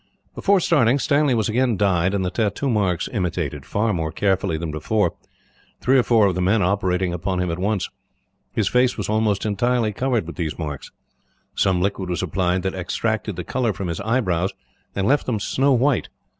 Before starting Stanley was again dyed, and the tattoo marks imitated far more carefully than before, three or four of the men operating upon him, at once. His face was almost entirely covered with these marks. Some liquid was applied that extracted the colour from his eyebrows, and left them snow white.